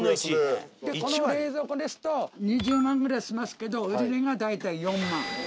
この冷蔵庫ですと２０万ぐらいしますけど売値が大体４万。